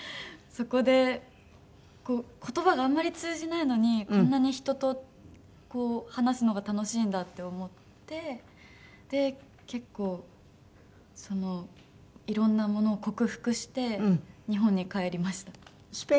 そこで言葉があんまり通じないのにこんなに人とこう話すのが楽しいんだって思って結構いろんなものを克服して日本に帰りました。